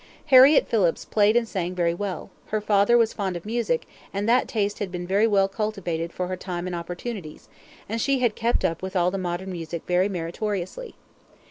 Harriett Phillips played and sang very well; her father was fond of music, and that taste had been very well cultivated for her time and opportunities, and she had kept up with all the modern music very meritoriously.